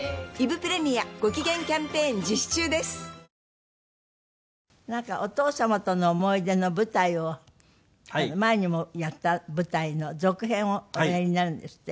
手巻おむすびふわうまなんかお父様との思い出の舞台を前にもやった舞台の続編をおやりになるんですって？